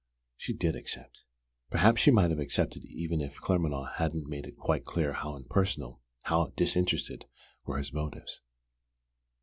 She did accept. Perhaps she might have accepted even if Claremanagh hadn't made it quite clear how impersonal, how disinterested were his motives!